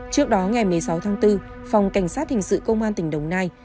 trước đó ngày một mươi sáu tháng bốn phòng cảnh sát hình sự công an tỉnh đồng nai